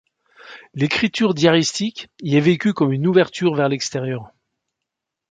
L'écriture diaristique y est vécue comme une ouverture vers l'extérieur.